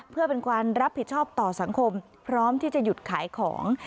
เพื่อเป็นความรับผิดชอบต่อสังคมพร้อมที่จะหยุดขายของ